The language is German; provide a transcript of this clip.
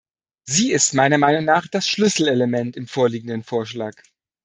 Sie ist meiner Meinung nach das Schlüsselelement im vorliegenden Vorschlag.